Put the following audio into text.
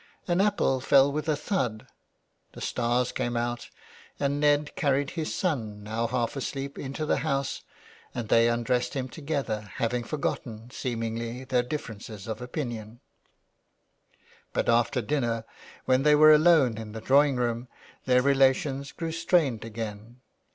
An apple fell with a thud, the stars came out, and Ned carried his son, now half asleep, into the house, and they undressed him together, having forgotten, seemingly, their differences of opinion. 352 THE WILD GOOSE. But after dinner when they were alone in the drawing room their relations grew strained again.